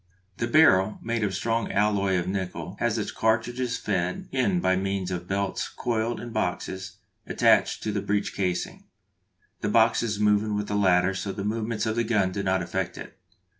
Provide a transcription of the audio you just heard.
The barrel, made of a strong alloy of nickel, has its cartridges fed in by means of belts coiled in boxes attached to the breech casing, the boxes moving with the latter so that the movements of the gun do not affect it.